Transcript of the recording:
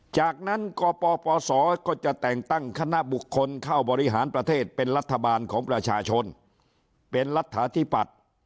จากนั้นกปปศก็จะแต่งตั้งคณะบุคคลเข้าบริหารประเทศเป็นรัฐบาลของประชาชนเป็นรัฐาธิปัตย์